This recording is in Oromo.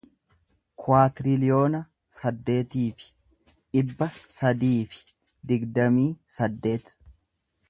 kuwaatiriliyoona saddeetii fi dhibba sadii fi digdamii saddeet